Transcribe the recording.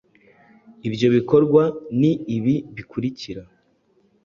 Ibyo bikorwa ni ibi bikurikira